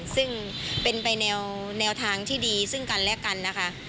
ซึ่งเป็นไปแนวทางที่ดีซึ่งกันและกันนะคะ